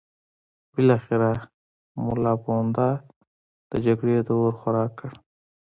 بالاخره ملا پوونده د جګړې د اور خوراک کړ.